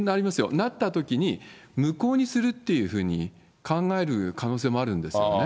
なったときに無効にするって考える可能性もあるんですよね。